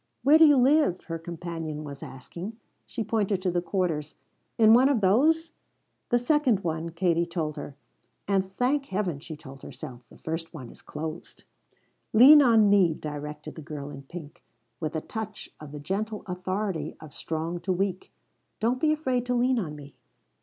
"Where do you live?" her companion was asking. She pointed to the quarters. "In one of those?" "The second one," Katie told her. "And thank Heaven," she told herself, "the first one is closed!" "Lean on me," directed the girl in pink, with a touch of the gentle authority of strong to weak. "Don't be afraid to lean on me."